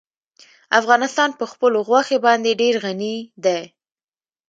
افغانستان په خپلو غوښې باندې ډېر غني دی.